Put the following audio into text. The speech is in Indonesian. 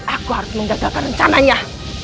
aku harus menggagalkan rencananya